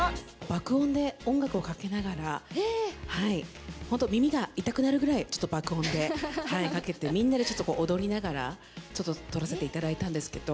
爆音で音楽をかけながら、本当、耳が痛くなるぐらい、ちょっと爆音でかけて、みんなで踊りながら、ちょっと撮らせていただいたんですけど。